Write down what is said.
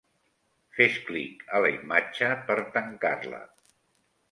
Fes clic a la imatge per tancar-la.